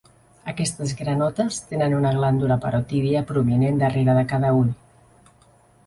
Aquestes granotes tenen una glàndula parotídia prominent darrere de cada ull.